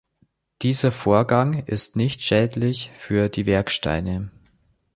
Dieser Vorgang ist nicht schädlich für die Werksteine.